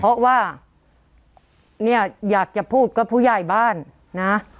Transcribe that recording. เพราะว่าเนี่ยอยากจะพูดกับผู้ใหญ่บ้านนะ